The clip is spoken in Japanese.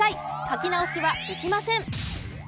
書き直しはできません。